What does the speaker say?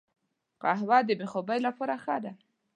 قهوه د بې خوبي لپاره ښه ده